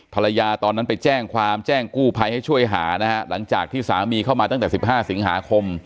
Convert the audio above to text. ตอนนั้นไปแจ้งความแจ้งกู้ภัยให้ช่วยหานะฮะหลังจากที่สามีเข้ามาตั้งแต่๑๕สิงหาคม